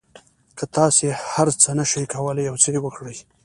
که تاسو هر څه نه شئ کولای یو څه یې وکړئ.